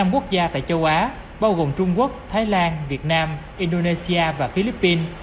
năm quốc gia tại châu á bao gồm trung quốc thái lan việt nam indonesia và philippines